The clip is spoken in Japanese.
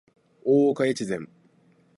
大岡越前